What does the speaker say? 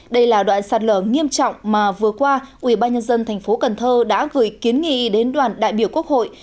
đây là đoạn sạt lở nghiêm trọng mà vừa qua ubnd tp cần thơ đã gửi kiến nghị đến đoàn đại biểu quốc hội